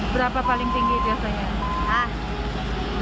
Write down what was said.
berapa paling tinggi biasanya